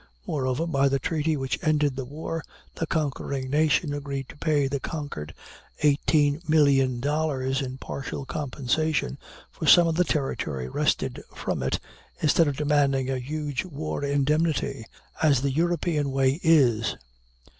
Moreover, by the treaty which ended the war, the conquering nation agreed to pay the conquered eighteen million dollars in partial compensation for some of the territory wrested from it, instead of demanding a huge war indemnity, as the European way is.